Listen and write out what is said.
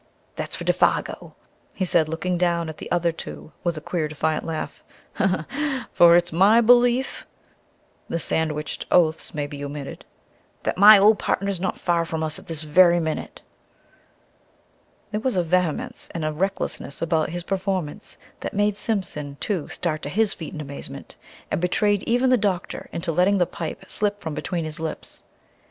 "That's for Défago," he said, looking down at the other two with a queer, defiant laugh, "for it's my belief" the sandwiched oaths may be omitted "that my ole partner's not far from us at this very minute." There was a vehemence and recklessness about his performance that made Simpson, too, start to his feet in amazement, and betrayed even the doctor into letting the pipe slip from between his lips.